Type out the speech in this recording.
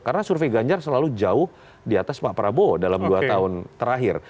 karena survei ganjar selalu jauh di atas pak prabowo dalam dua tahun terakhir